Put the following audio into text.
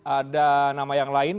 ada nama yang lain